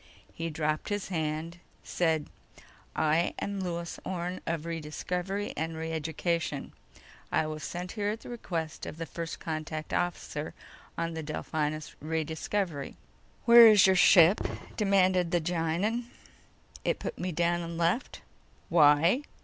_ He dropped his hand, said: "I am Lewis Orne of Rediscovery and Reeducation. I was sent here at the request of the First Contact officer on the Delphinus Rediscovery." "Where is your ship?" demanded the Gienahn. "It put me down and left." "Why?"